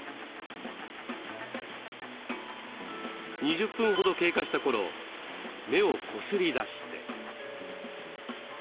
２０分ほど経過した頃目をこすりだして。